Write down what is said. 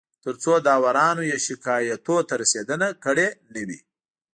تر څو داورانو یې شکایتونو ته رسېدنه کړې نه وي